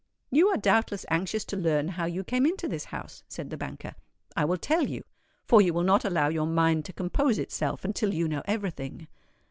"You are doubtless anxious to learn how you came into this house," said the banker. "I will tell you—for you will not allow your mind to compose itself until you know every thing.